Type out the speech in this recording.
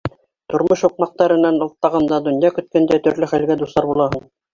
Тормош һуҡмаҡтарынан атлағанда, донъя көткәндә төрлө хәлгә дусар булаһың.